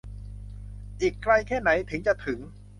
อีกไกลแค่ไหนถึงจะถึง